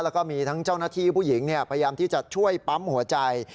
แล้วก็มีทั้งเจ้าหน้าที่ผู้หญิงพยายามที่จะช่วยปั๊มหัวใจ